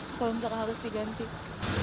kalau tidak harus diganti